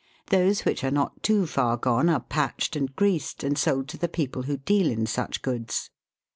Those which are not too far gone are patched and greased, and sold to the people who deal in such goods.